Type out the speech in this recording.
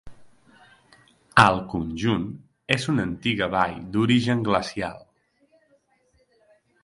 El conjunt és una antiga vall d'origen glacial.